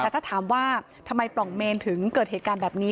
แต่ถ้าถามว่าทำไมปล่องเมนถึงเกิดเหตุการณ์แบบนี้